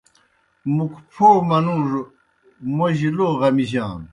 مُک پھو منُوڙوْ موْجیْ لو غمِجانوْ۔